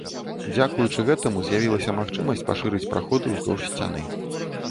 Дзякуючы гэтаму з'явілася магчымасць пашырыць праходы ўздоўж сцяны.